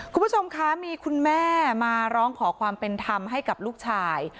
คุณผู้ชมคะมีคุณแม่มาร้องขอความเป็นธรรมให้กับลูกชาย